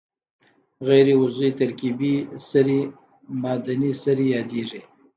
غیر عضوي ترکیبي سرې معدني سرې یادیږي.